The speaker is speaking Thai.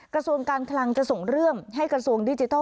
กระทรวงการคลังจะส่งเรื่องให้กระทรวงดิจิทัล